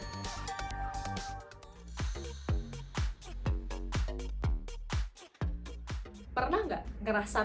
pertama perhatikan cara berinteraksi dengan orang lain